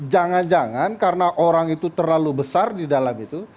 jangan jangan karena orang itu terlalu besar di dalam itu